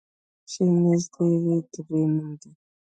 شنیز د یوې درې نوم دی.